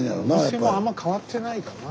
お店もあんま変わってないかな。